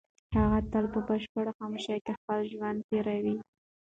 هغه تل په بشپړه خاموشۍ کې خپل ژوند تېروي.